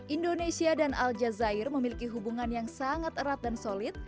indonesia dan al jazeera memiliki hubungan yang sangat erat dan solid